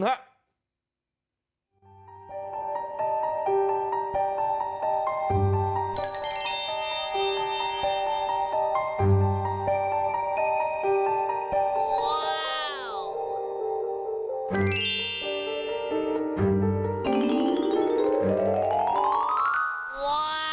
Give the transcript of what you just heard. ว้าว